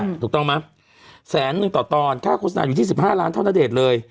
ถูกต้องไหมแสนหนึ่งต่อตอนค่าโฆษณาอยู่ที่สิบห้าล้านเท่าณเดชน์เลย